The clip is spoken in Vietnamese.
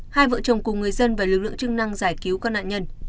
hai vợ chồng cùng người dân và lực lượng chức năng giải cứu các nạn nhân